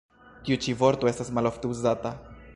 Tiu ĉi vorto estas malofte uzata.